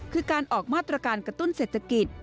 คือการออกมาตรการกระตุ้นเศรษฐกิจ